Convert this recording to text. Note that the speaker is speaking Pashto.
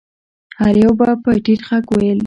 هر يوه به په ټيټ غږ ويل.